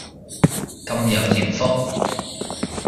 咁有艷福